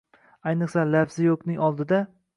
- ayniqsa lafzi yo‘qning oldida.